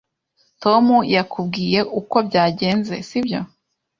Tom yakubwiye uko byagenze, sibyo?